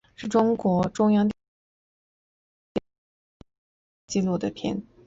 是中国中央电视台制作并播出的一部展现中国重大工程项目的纪录片。